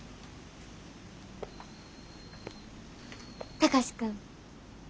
貴司君。